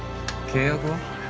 契約は？